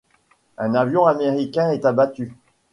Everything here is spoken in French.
Un avion américain est abattu.